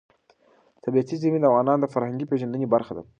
طبیعي زیرمې د افغانانو د فرهنګي پیژندنې برخه ده.